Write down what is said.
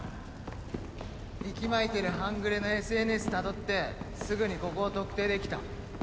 いきまいてる半グレのＳＮＳたどってすぐにここを特定できた。